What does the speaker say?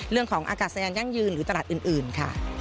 เรื่องของอากาศสะยานยั่งยืนหรือตลาดอื่นค่ะ